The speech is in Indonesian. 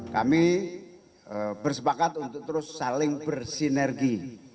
kami bersepakat untuk terus saling bersinergi